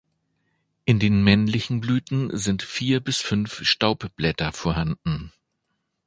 In den männlichen Blüten sind vier bis fünf Staubblätter vorhanden.